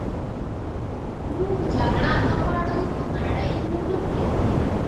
موږ جګړه نه غواړو خو نړئ مو نه پریږدي